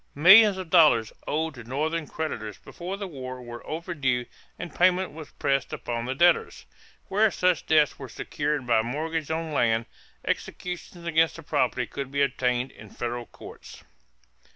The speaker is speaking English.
Millions of dollars owed to Northern creditors before the war were overdue and payment was pressed upon the debtors. Where such debts were secured by mortgages on land, executions against the property could be obtained in federal courts.